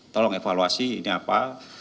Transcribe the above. tolong evaluasi ini apa